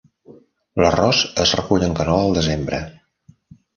L'arròs es recull en canoa al desembre.